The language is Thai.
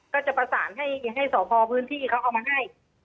ก็จะประสานให้สพพื้นที่เขาเอามาให้